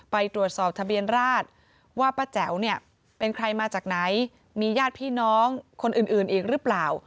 ไปตรวจสอบทะเบียนราชว่าป้าแจ๋วเนี่ยเป็นใครมาจากไหนมีญาติพี่น้องคนอื่นอีกหรือเปล่า